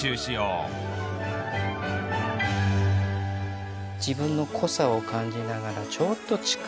自分の濃さを感じながらちょっと力を抜いてみる。